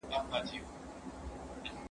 که یوازي دي په نحو خوله خوږه ده